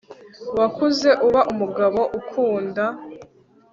wakuze uba umugabo ukunda